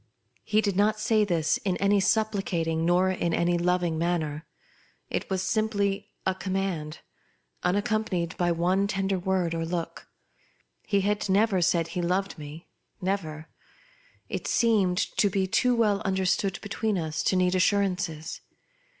He did not say this in any supplicating, nor in any loving manner ; it was simply a com mand, unaccompanied by one tender word or look. He had never said he loved me — never ; it seemed to be too well understood between us to need assurances.